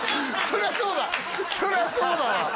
そりゃそうだわ